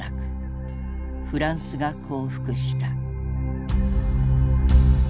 フランスが降伏した。